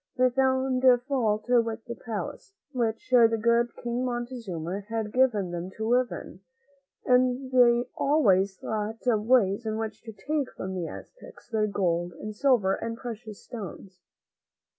They found fault with the palace, which the good King Montezuma had given them to live in, and they always thought of ways in which to take from the Aztecs their gold and silver and precious stones.